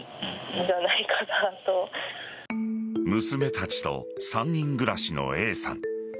娘たちと３人暮らしのＡさん。